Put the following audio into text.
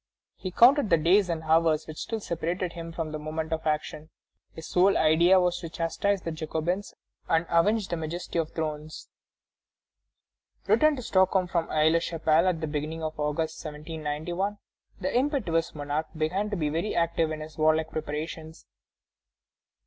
He counted the days and hours which still separated him from the moment of action: his sole idea was to chastise the Jacobins and avenge the majesty of thrones. Returned to Stockholm from Aix la Chapelle, at the beginning of August, 1791, the impetuous monarch began to be very active in his warlike preparations.